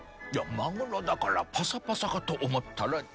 いやマグロだからパサパサかと思ったら。